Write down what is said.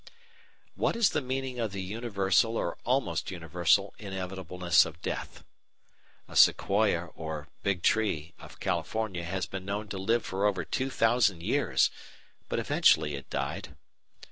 § 5 What is the meaning of the universal or almost universal inevitableness of death? A Sequoia or "Big Tree" of California has been known to live for over two thousand years, but eventually it died.